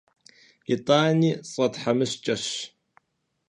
Итӏани сфӏэтхьэмыщкӏэщ.